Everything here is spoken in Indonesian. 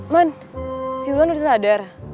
man si ulan udah sadar